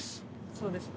そうですね。